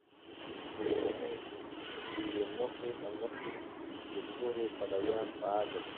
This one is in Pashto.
د یوې موخی د مخې د سولې پلویان فعال دي.